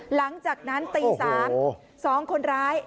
หลังจากนั้นตี๓๒คนร้าย